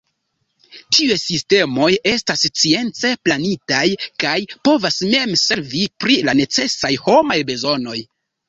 Tiuj sistemoj estas science planitaj kaj povas mem servi pri la necesaj homaj bezonoj.